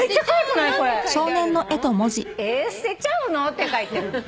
「えーすてちゃうのー」って書いてある。